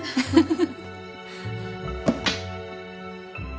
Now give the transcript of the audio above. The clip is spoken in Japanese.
フフフ。